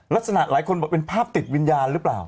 หลายคนบอกเป็นภาพติดวิญญาณหรือเปล่า